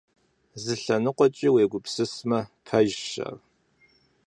Зы лъэныкъуэкӀи, уегупсысмэ, пэжщ ар.